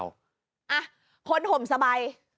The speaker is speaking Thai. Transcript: อ่ะคนห่มสบาย